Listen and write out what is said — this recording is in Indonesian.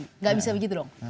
tidak bisa begitu dong